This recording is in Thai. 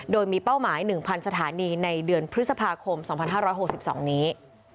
โดยมีเป้าหมาย๑๐๐สถานีในเดือนพฤษภาคม๒๕๖๒นี้